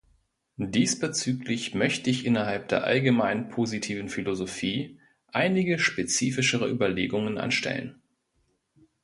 Diesbezüglich möchte ich innerhalb der allgemein positiven Philosophie einige spezifischere Überlegungen anstellen.